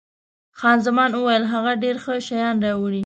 خان زمان وویل، هغه ډېر ښه شیان راوړي.